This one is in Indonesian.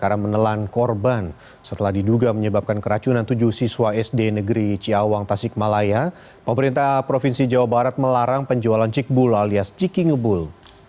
karena menelan korban setelah diduga menyebabkan keracunan tujuh siswa sd negeri ciawang tasikmalaya pemerintah provinsi jawa barat melarang penjualan cikbul alias ciki ngebul